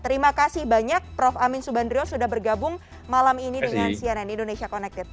terima kasih banyak prof amin subandrio sudah bergabung malam ini dengan cnn indonesia connected